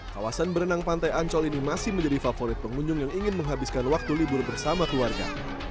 kawasan berenang pantai ancol ini masih menjadi favorit pengunjung yang ingin menghabiskan waktu libur bersama keluarga